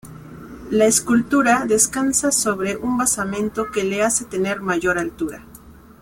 La escultura descansa sobre un basamento que le hace tener mayor altura.